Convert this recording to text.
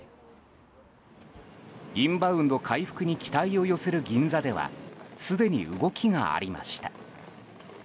インバウンド回復に期待を寄せる銀座ではすでに動きがありました。